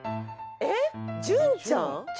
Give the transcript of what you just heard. えっ純ちゃん？